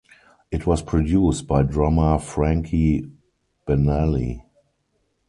It was produced by drummer Frankie Banali.